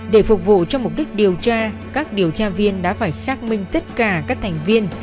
để phục vụ cho mục đích điều tra các điều tra viên đã phải xác minh tất cả các thành viên